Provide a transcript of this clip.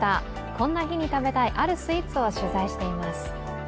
こんな日に食べたい、あるスイーツを取材しています。